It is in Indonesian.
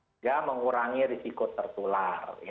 sehingga mengurangi risiko tertular